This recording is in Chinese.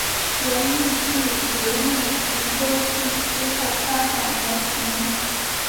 由豫剧流入徐州地区后发展而成。